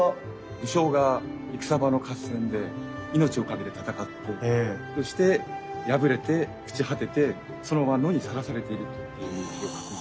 武将が戦場の合戦で命を懸けて戦ってそして敗れて朽ち果ててそのまま野にさらされているというイメージを。